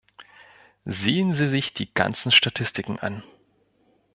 Sehen Sie sich die ganzen Statistiken an.